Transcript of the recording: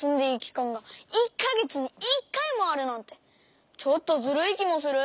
かんが１かげつに１かいもあるなんてちょっとズルいきもする。